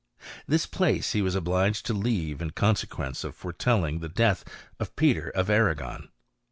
This place he was obliged to leave, in consequence of foretelling the death of Peter of Arragon.